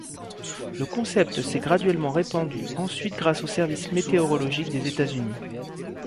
Le concept s'est graduellement répandu ensuite grâce au service météorologique des États-Unis.